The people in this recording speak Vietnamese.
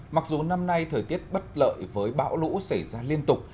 mặc dù năm nay thời tiết bất lợi với bão lũ xảy ra liên tục